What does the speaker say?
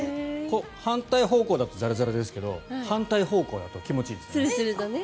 反対方向だとザラザラですけど反対方向だと気持ちいいですからね。